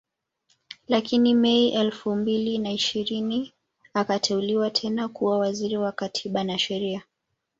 Lakini Mei elfu mbili na ishirini akateuliwa tena kuwa Waziri Wa Katiba na Sheria